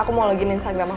aku mau login instagram aku